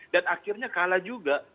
dan akhirnya kalah juga